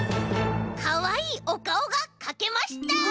かわいいおかおがかけました！